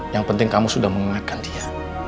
yang penting kamu sudah mengingatkan dia